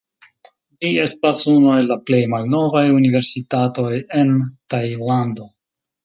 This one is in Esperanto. Ĝi estas unu el la plej malnovaj universitatoj en Tajlando.